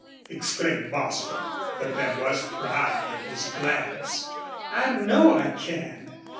exclaimed Bostil. But there was pride in his glance. "I know I can."